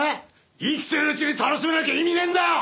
生きてるうちに楽しまなきゃ意味ねえんだよ！